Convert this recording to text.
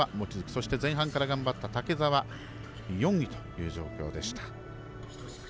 そして、前半から頑張った竹澤、４位という状況でした。